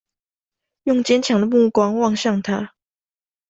用堅強的目光望向他